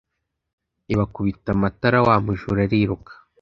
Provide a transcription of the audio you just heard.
ibakubita amatara wa mujura ariruka